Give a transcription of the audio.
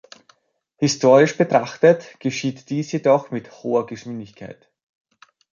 Historisch betrachtet, geschieht dies jedoch mit hoher Geschwindigkeit.